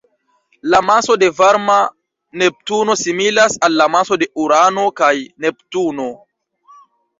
La maso de varma Neptuno similas al la maso de Urano kaj Neptuno.